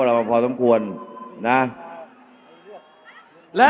อย่าให้ลุงตู่สู้คนเดียว